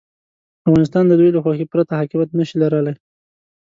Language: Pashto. افغانستان د دوی له خوښې پرته حاکمیت نه شي لرلای.